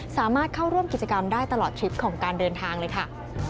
สามารถเข้าร่วมกิจกรรมได้ตลอดทริปของการเดินทางเลยค่ะ